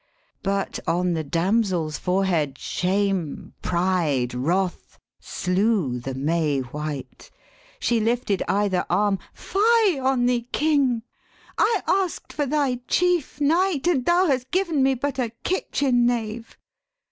But on the damsel's forehead shame, pride, wrath, Slew the May white: she lifted either arm, 'Fie on thee, King! I ask'd for thy chief knight, And thou hast given me but a kitchen knave.'